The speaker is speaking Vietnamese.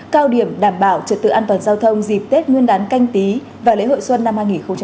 cao điểm đảm bảo trật tự an toàn giao thông dịp tết nguyên đán canh tí và lễ hội xuân năm hai nghìn hai mươi